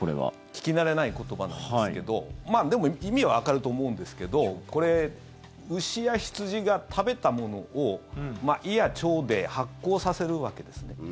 聞き慣れない言葉なんですけどまあ、でも意味はわかると思うんですけどこれ、牛や羊が、食べたものを胃や腸で発酵させるわけですね。